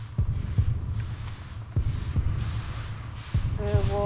すごい。